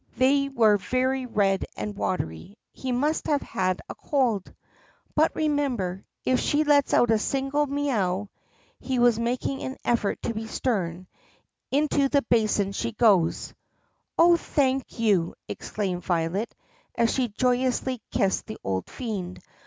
They were very red and watery. He must have had a cold. "But remember, if she lets out a single mee ow" — he was mak ing an effort to be stern — "into the basin she goes!" "Oh, thank you!" exclaimed Violet as she joyously kissed the old fiend.